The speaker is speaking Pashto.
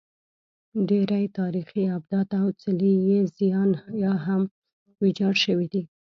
ډېری تاریخي ابدات او څلي یې زیان یا هم ویجاړ شوي دي